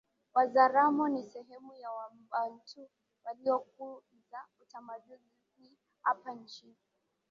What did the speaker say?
Wazaramo ni sehemu ya Wabantu waliokuza utamaduni hapa nchini